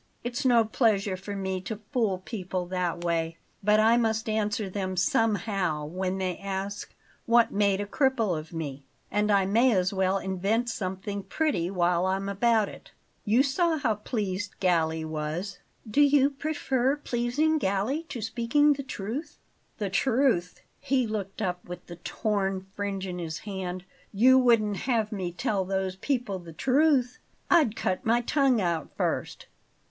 It's no pleasure to me to fool people that way, but I must answer them somehow when they ask what made a cripple of me; and I may as well invent something pretty while I'm about it. You saw how pleased Galli was." "Do you prefer pleasing Galli to speaking the truth?" "The truth!" He looked up with the torn fringe in his hand. "You wouldn't have me tell those people the truth? I'd cut my tongue out first!"